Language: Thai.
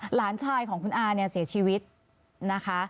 หลานชายของคุณอาเนี่ยเสียชีวิตนะคะ